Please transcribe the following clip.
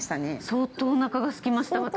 相当おなかがすきました、私。